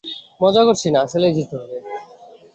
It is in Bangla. মজা করছি না, আসলেই যেতে হবে।